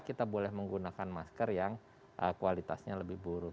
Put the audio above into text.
kita boleh menggunakan masker yang kualitasnya lebih buruk